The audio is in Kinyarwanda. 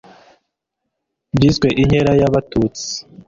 byiswe inkera y'abatutsi